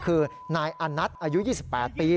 คือนายอานัทอายุ๒๘ปี